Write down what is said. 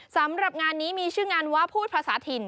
สำหรับงานนี้มีชื่องานว่าพูดภาษาถิ่น